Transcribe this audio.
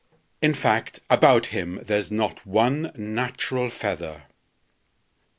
In fact, about him there's not one natural feather."